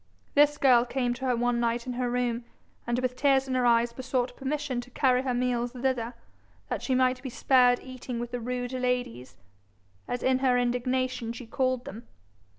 This girl came to her one night in her room, and with tears in her eyes besought permission to carry her meals thither, that she might be spared eating with the rude ladies, as in her indignation she called them.